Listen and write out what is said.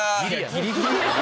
ギリギリ。